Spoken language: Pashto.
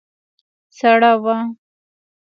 سړه وه.